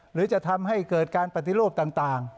หรือจะทำให้เกิดการปฏิรูปต่าง